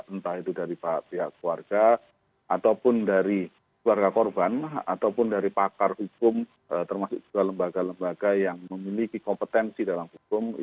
entah itu dari pihak keluarga ataupun dari keluarga korban ataupun dari pakar hukum termasuk juga lembaga lembaga yang memiliki kompetensi dalam hukum